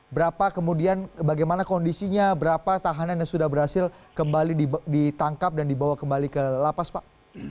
berapa kemudian bagaimana kondisinya berapa tahanan yang sudah berhasil kembali ditangkap dan dibawa kembali ke lapas pak